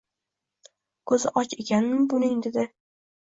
Koʻzi och ekanmi buning dedi.